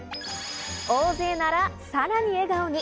大勢なら、さらに笑顔に。